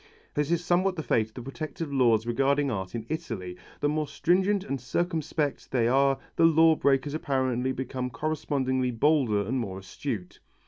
This is somewhat the fate of the protective laws regarding art in Italy, the more stringent and circumspect they are the law breaker apparently becomes correspondingly bolder and more astute.